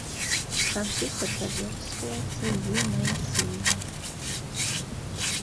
Компьютерҙа версткалаусы Е. Моисеева.